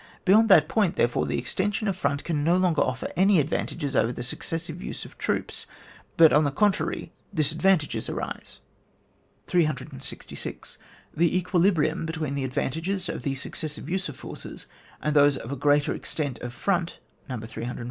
Beyond that point, therefore, the extension of front can no longer offer any advantages over the successive use of troops ; but, on the contrary, disad vantages arise. GVIDE TO TACTICS, OR TEE THEORY OF TEE COMBAT 155 8 '66. The equilibrium between the ad vantages of the BucceBsiye use of forces, and those of a greater extent of front (No.